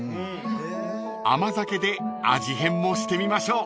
［甘酒で味変もしてみましょう］